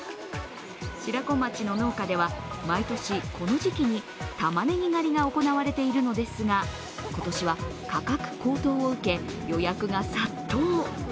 白子町の農家では毎年この時期にたまねぎ狩りが行われているのですが、今年は価格高騰を受け予約が殺到。